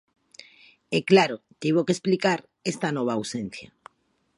E claro, tivo que explicar esta nova ausencia.